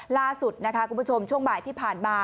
ล่าสุดนะคะคุณผู้ชมช่วงบ่ายที่ผ่านมา